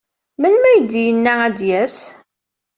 Melmi ay d-yenna ad d-yas?